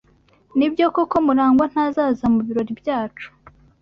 Nibyo koko Murangwa ntazaza mubirori byacu?